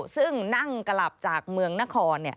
ซึ่งนั่งกลับจากเมืองนคร